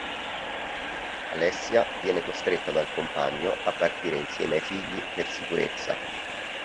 Alessia viene costretta dal compagno a partire insieme ai figli per sicurezza.